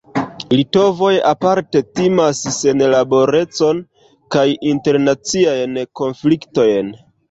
Litovoj aparte timas senlaborecon kaj internaciajn konfliktojn.